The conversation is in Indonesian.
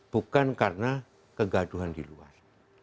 bukan karena kegaduhan di luar